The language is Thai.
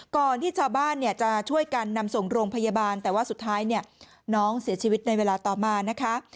ก่อนที่ชาวบ้านเนี่ยจะช่วยกันนำส่งโรงพยาบาลแต่ว่าสุดท้ายเนี่ยน้องเสียชีวิตในเวลาต่อมานะคะ